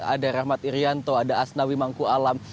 ada rahmat irianto ada asnawi mangku alam